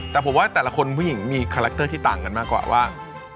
แต่ผมว่าแต่ละคนผู้หญิงมีคาแรคเตอร์ที่ต่างกันมากกว่าว่า